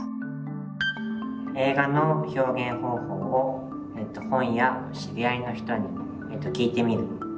映画の表現方法を本や知り合いの人に聞いてみる。